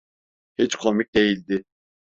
Hiç komik değildi.